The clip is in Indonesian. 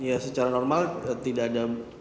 ya secara normal tidak ada